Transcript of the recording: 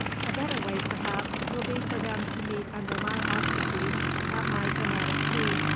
"A better way perhaps will be for them to meet under my auspices at my 'dramatic tea.'